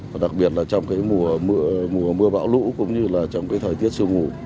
và đặc biệt là trong cái mùa mưa bão lũ cũng như là trong cái thời tiết sương mù